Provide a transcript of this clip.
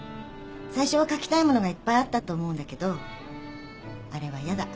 最初は書きたいものがいっぱいあったと思うんだけどあれはやだ。